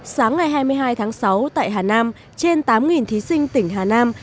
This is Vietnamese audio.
sáng ngày hai mươi hai tháng sáu tại hà nam trên tám thí sinh tỉnh hà nam